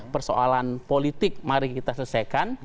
persoalan politik mari kita selesaikan